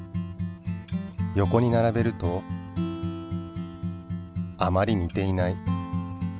横に並べるとあまり似ていない。